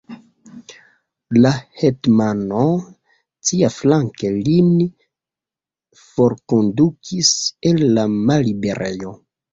La hetmano siaflanke lin forkondukis el la malliberejo!